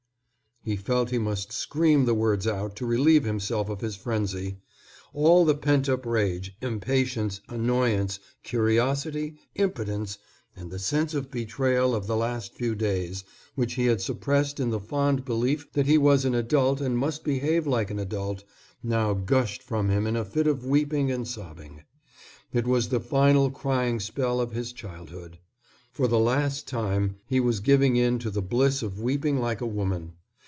He felt he must scream the words out to relieve himself of his frenzy. All the pent up rage, impatience, annoyance, curiosity, impotence, and the sense of betrayal of the last few days, which he had suppressed in the fond belief that he was an adult and must behave like an adult, now gushed from him in a fit of weeping and sobbing. It was the final crying spell of his childhood. For the last time he was giving in to the bliss of weeping like a woman.